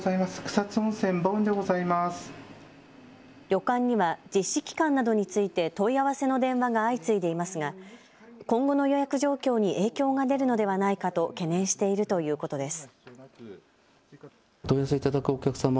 旅館には実施期間などについて問い合わせの電話が相次いでいますが今後の予約状況に影響が出るのではないかと懸念しているということです。